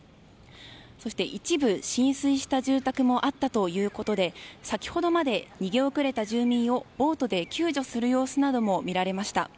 そして、一部浸水した住宅もあったということで先ほどまで逃げ遅れた住民をボートで救助する様子なども見られました。